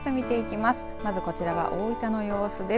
まずこちらは大分の様子です。